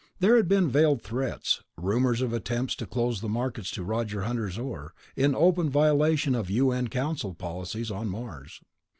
There had been veiled threats, rumors of attempts to close the markets to Roger Hunter's ore, in open violation of U.N. Council policies on Mars....